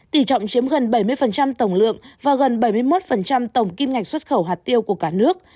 tỷ trọng chiếm gần bảy mươi tổng lượng và gần bảy mươi một tổng kim ngạch xuất khẩu hạt tiêu của cả nước